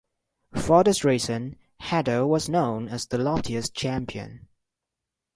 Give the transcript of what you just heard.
For this reason Hadow was known as the "loftiest champion".